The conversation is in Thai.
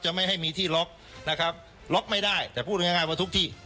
ไม่ให้มีที่ล็อกนะครับล็อกไม่ได้แต่พูดง่ายว่าทุกที่